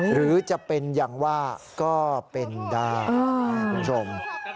หรือจะเป็นอย่างว่าก็เป็นดาว